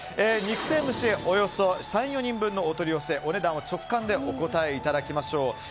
肉鮮蒸しおよそ３４人分のお取り寄せお値段を直感でお答えいただきましょう。